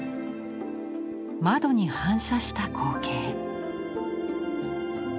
窓に反射した光景。